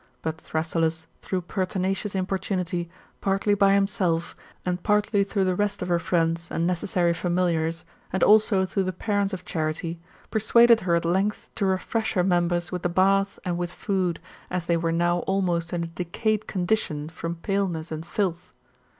But Thrasyllus through pertina cious importunity, partly by himself, and partly through the rest of her friends and necessary familiars, and also through the parents of Charite, persuaded her at length to refresh her members with the bath and with food,^s they were now almost in a decayed condition from paleness and filth.